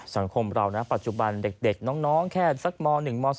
สังคมเรานะปัจจุบันเด็กน้องแค่สักม๑ม๒